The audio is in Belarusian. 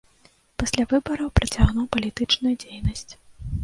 Пасля выбараў працягнуў палітычную дзейнасць.